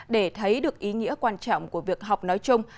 để thấy được ý nghĩa quan trọng của việc học nói chung